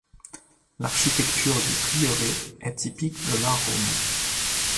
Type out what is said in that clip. L’architecture du prieuré est typique de l’art roman.